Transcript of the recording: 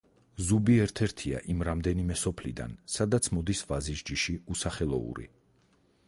ზუბი ერთ-ერთია იმ რამდენიმე სოფლიდან, სადაც მოდის ვაზის ჯიში უსახელოური.